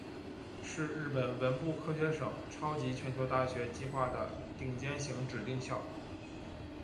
是日本文部科学省超级全球大学计划的顶尖型指定校。